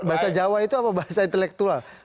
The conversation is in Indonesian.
bahasa jawa itu apa bahasa intelektual